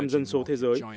hai mươi hai dân số thế giới